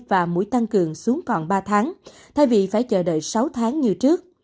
và mũi tăng cường xuống còn ba tháng thay vì phải chờ đợi sáu tháng như trước